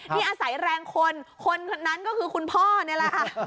ที่อาศัยแรงคนคนนั้นก็คือคุณพ่อนี่แหละค่ะ